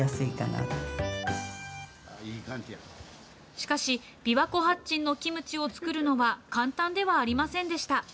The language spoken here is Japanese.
しかし、琵琶湖八珍のキムチを作るのは、簡単ではありませんでした。